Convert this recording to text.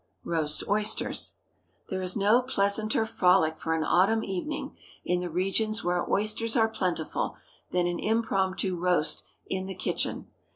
ROAST OYSTERS. There is no pleasanter frolic for an Autumn evening, in the regions where oysters are plentiful, than an impromptu "roast" in the kitchen.